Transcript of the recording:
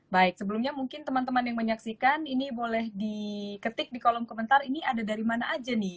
baik sebelumnya mungkin teman teman yang menyaksikan ini boleh diketik di kolom komentar ini ada dari mana aja nih